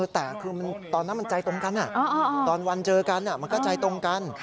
แต่คือตอนนั้นมันใจตรงกันตอนวันเจอกันมันก็ใจตรงกัน